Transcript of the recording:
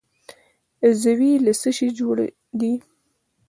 عضوې له څه شي جوړې دي؟